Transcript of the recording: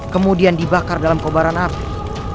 kemudian dibakar dalam kobaran api